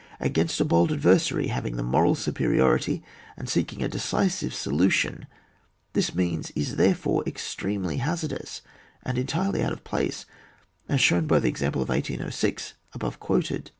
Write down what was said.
Against a bold adversary, having the moral supe riority, and seeking a decisive solution, this means is therefore extremely hazard ous and entirely out of place, as shown by the example of 1806 above quoted.